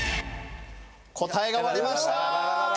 答えが割れました。